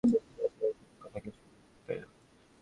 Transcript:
বিস্মিত আশা এ-সব কথা কিছুই বুঝিতে পারিল না।